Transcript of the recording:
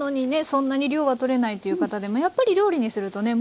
そんなに量はとれないという方でもやっぱり料理にするとね